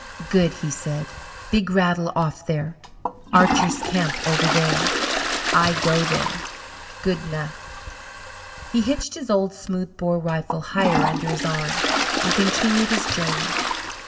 "Good!" he said. "Big Rattle off there, Archer's camp over there. I go there. Good 'nough!" He hitched his old smooth bore rifle higher under his arm and continued his journey.